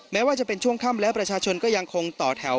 แม้ว่าจะเป็นช่วงค่ำและประชาชนก็ยังคงต่อแถว